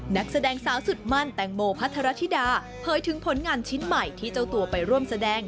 นักแสดงสาวสุดมั่นแตงโมพัทรธิดาเผยถึงผลงานชิ้นใหม่ที่เจ้าตัวไปร่วมแสดง